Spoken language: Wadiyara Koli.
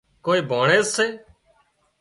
ڪوئي ڀانڻيز سي